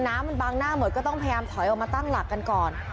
น้ำมันบังหน้าหมดก็ต้องพยายามถอยออกมาตั้งหลักกันก่อน